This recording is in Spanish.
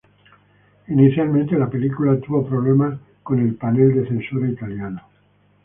Inicialmente, la película tuvo problemas con el panel de censura italiano.